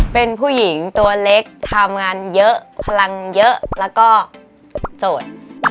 เป็นผู้หญิงตัวเล็กทำงานเยอะพลังเยอะแล้วก็โสด